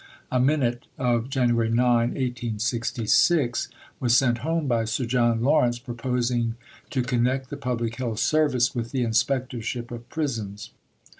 A Minute (of January 9, 1866) was sent home by Sir John Lawrence proposing to connect the Public Health Service with the Inspectorship of Prisons.